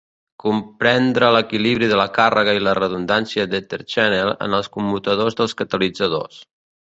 Comprendre l'equilibri de la càrrega i la redundància d' EtherChannel en els commutadors dels catalitzadors.